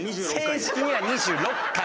正式には２６回！